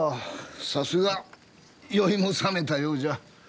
さすが酔いも覚めたようじゃ。